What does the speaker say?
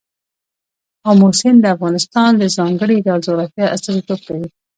آمو سیند د افغانستان د ځانګړي ډول جغرافیه استازیتوب کوي.